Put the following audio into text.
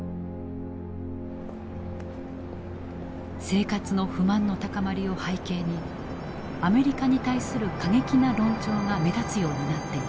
生活の不満の高まりを背景にアメリカに対する過激な論調が目立つようになっていた。